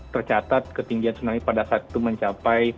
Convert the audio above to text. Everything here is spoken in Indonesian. tercatat ketinggian tsunami pada saat itu mencapai